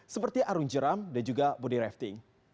seperti arung jeram dan juga body rafting